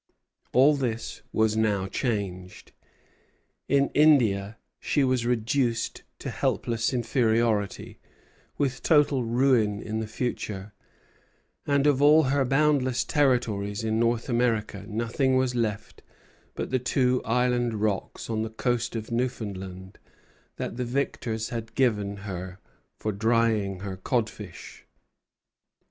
All this was now changed. In India she was reduced to helpless inferiority, with total ruin in the future; and of all her boundless territories in North America nothing was left but the two island rocks on the coast of Newfoundland that the victors had given her for drying her codfish.